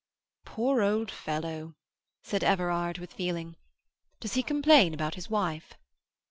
"Poor old fellow!" said Everard, with feeling. "Does he complain about his wife?"